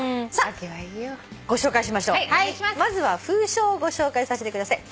まずは封書をご紹介させてください。